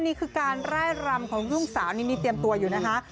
นี่คือการไล่รำของทุ่งสาวนี่เตรียมตัวอยู่นะคะ